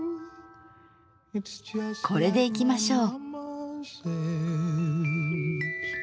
これでいきましょう。